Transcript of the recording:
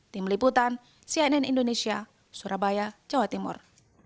tim liputan cnn indonesia surabaya jawa timur